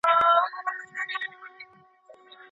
پانګه وال نظام د فردي ملکيت له امله رامنځته سو.